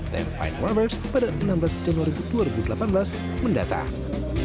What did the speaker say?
tim inwards pada enam belas januari dua ribu delapan belas mendatang